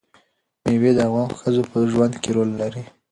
مېوې د افغان ښځو په ژوند کې رول لري.